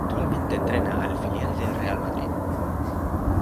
Actualmente entrena al filial del Real Madrid.